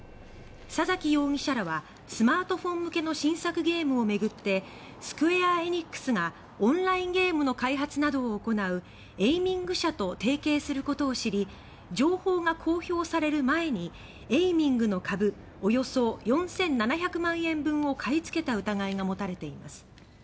佐崎容疑者らはスマートフォン向けの新作ゲームを巡ってスクウェア・エニックスがオンラインゲームの開発などを行うＡｉｍｉｎｇ社と提携することを知り情報が公表される前にＡｉｍｉｎｇの株およそ４７００万円分を買いつけた疑いが持たれています。